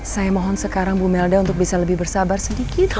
saya mohon sekarang bu melda untuk bisa lebih bersabar sedikit